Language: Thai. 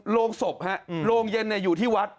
โรงศพฮะโรงเย็นอยู่ที่วัด